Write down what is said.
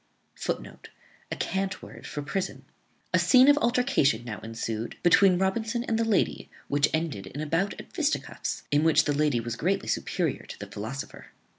[Footnote: A cant word for a prison.] A scene of altercation now ensued between Robinson and the lady, which ended in a bout at fisticuffs, in which the lady was greatly superior to the philosopher.